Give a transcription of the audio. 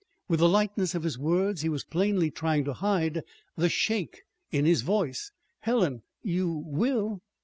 With the lightness of his words he was plainly trying to hide the shake in his voice. "Helen, you will?"